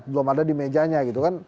belum ada di mejanya gitu kan